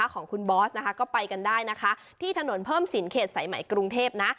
คุณสินเขตสายใหม่กรุงเทพนะ